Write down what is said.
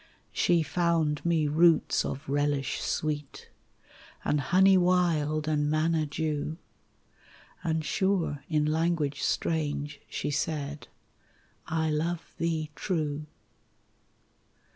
She found me roots of relish sweet, And honey wild and manna dew, And sure in language strange she said, "I love thee true."